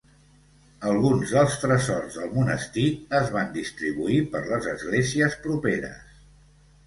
Alguns dels tresors del monestir es van distribuir per les esglésies properes.